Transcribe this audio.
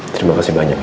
terima kasih banyak ya